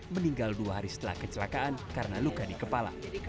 meninggal dua hari setelah kecelakaan karena luka di kepala